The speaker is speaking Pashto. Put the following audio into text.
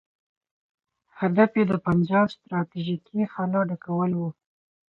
هدف یې د پنجاب د ستراتیژیکې خلا ډکول وو.